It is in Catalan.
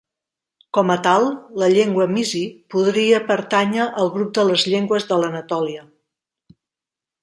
Com a tal, la llengua misi podria pertànyer al grup de les llengües de l'Anatòlia.